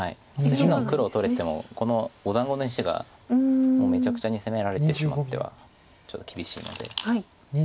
隅の黒を取れてもこのお団子の石がもうめちゃくちゃに攻められてしまってはちょっと厳しいので。